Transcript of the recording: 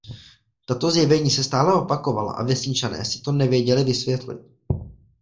Tato zjevení se stále opakovala a vesničané si to nevěděli vysvětlit.